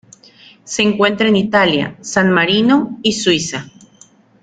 Se encuentra en Italia, San Marino y Suiza.